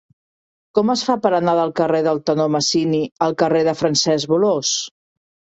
Com es fa per anar del carrer del Tenor Masini al carrer de Francesc Bolòs?